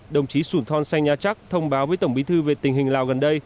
đồng chí sủn thon say nha trắc thông báo với tổng bí thư về tình hình lào gần đây